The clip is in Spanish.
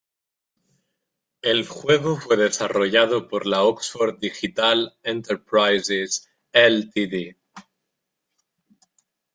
El juego fue desarrollado por la Oxford Digital Enterprises Ltd.